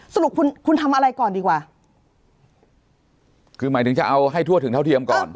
สรุปคุณคุณทำอะไรก่อนดีกว่าคือหมายถึงจะเอาให้ทั่วถึงเท่าเทียมก่อน